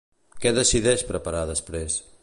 Què decideix preparar després?